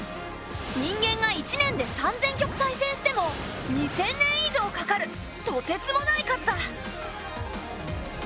人間が１年で３，０００局対戦しても２，０００年以上かかるとてつもない数だ。